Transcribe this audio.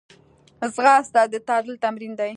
ځغاسته د تعادل تمرین دی